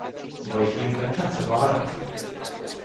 Voi fi încântat să vă arăt.